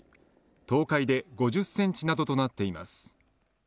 東海で５０センチなどとなっています。